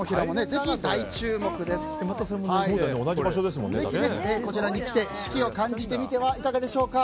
ぜひ、こちらに来て四季を感じてみてはいかがでしょうか。